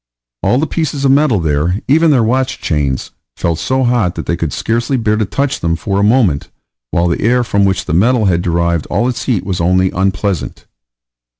All the pieces of metal there, even their watch chains, felt so hot that they could scarcely bear to touch them for a moment, while the air from which the metal had derived all its heat was only unpleasant.